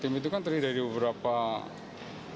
tim itu kan terima dari beberapa orang